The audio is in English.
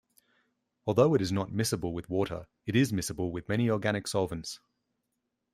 Although it is not miscible with water, it is miscible with many organic solvents.